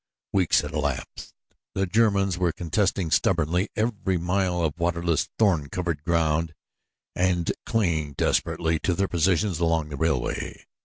Weeks had elapsed. The Germans were contesting stubbornly every mile of waterless, thorn covered ground and clinging desperately to their positions along the railway.